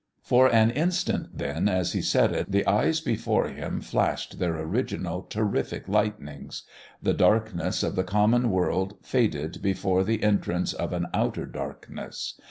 For an instant, then, as he said it, the eyes before him flashed their original terrific lightnings. The darkness of the common world faded before the entrance of an Outer Darkness.